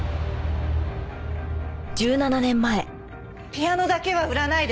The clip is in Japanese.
ピアノだけは売らないで！